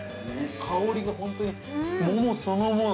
◆香りが、本当に桃そのもの。